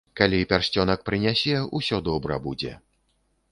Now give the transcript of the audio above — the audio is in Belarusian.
Калі пярсцёнак прынясе, усё добра будзе!